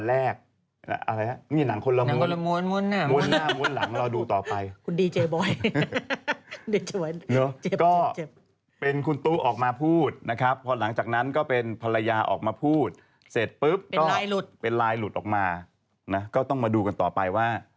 แต่คิดนี้มันหลุดออกมาได้ยังไงประเด็นน่ะมันหลุดออกมายังไง